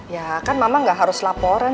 yah kan mama gak harus laporan